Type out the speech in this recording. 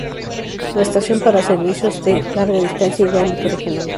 En la estación paran servicios de larga distancia y de ámbito regional.